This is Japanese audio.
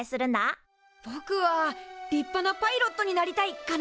ぼくは「りっぱなパイロットになりたい」かな。